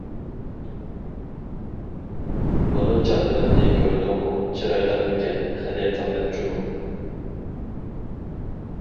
مۇنۇ چاپىنىمنى كۆردۈڭمۇ، چىرايلىقمىكەن، خېلى قىممەت جۇمۇ؟!